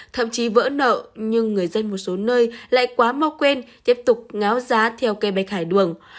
thậm chí vỡ nợ nhưng người dân một số nơi lại quá mau quên tiếp tục ngáo giá theo cây bạch hải đường